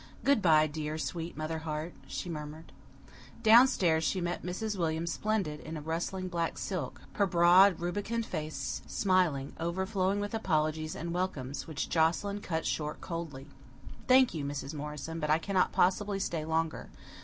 "Good bye, dear, sweet mother heart," she murmured. Down stairs she met Mrs. William splendid in rustling black silk, her broad, rubicund face smiling, overflowing with apologies and welcomes, which Joscelyn cut short coldly. "Thank you, Mrs. Morrison, but I cannot possibly stay longer.